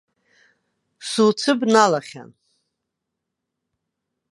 Суцәыбналахьан.